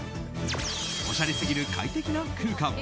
おしゃれすぎる快適な空間。